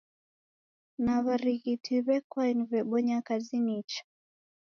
Na w'arighiti w'ekwaeni w'ebonya kazi nicha?